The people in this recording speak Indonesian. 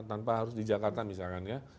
tanpa harus di jakarta misalkan ya